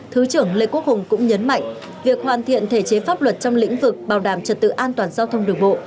thứ trưởng lê quốc hùng cũng nhấn mạnh việc hoàn thiện thể chế pháp luật trong lĩnh vực bảo đảm trật tự an toàn giao thông đường bộ